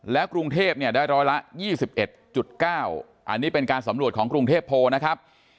แล้วกรุงเทพเนี่ยได้ร้อยละยี่สิบเอ็ดจุดเก้าอันนี้เป็นการสำรวจของกรุงเทพโพนะครับ